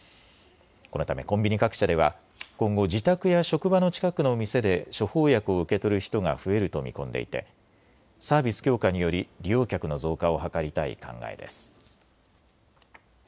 このためコンビニ各社では今後、自宅や職場の近くの店で処方薬を受け取る人が増えると見込んでいてサービス強化により利用客の増加を図りたい考えです。